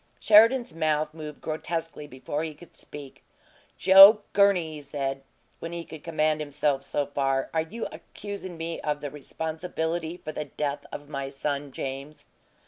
Sheridan's mouth moved grotesquely before he could speak. "Joe Gurney," he said, when he could command himself so far, "are you accusin' me of the responsibility for the death of my son James?"